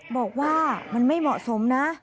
บอกว่ามันไม่เหมาะสมนะ